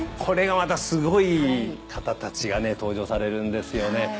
これがまたすごい方たちがね登場されるんですよね。